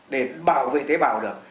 để bảo vệ tế bào được